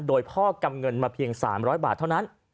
โดยพ่อกำเงินมาเพียง๓๐๐บาทเท่านั้น